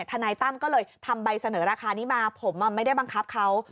นายตั้มก็เลยทำใบเสนอราคานี้มาผมไม่ได้บังคับเขา